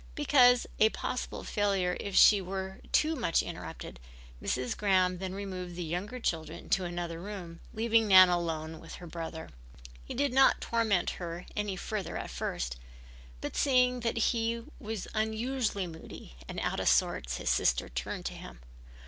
Because of a possible failure if she were too much interrupted, Mrs. Graham then removed the younger children to another room, leaving Nan alone with her brother. He did not torment her any further at first, but seeing that he was unusually moody and out of sorts his sister turned to him.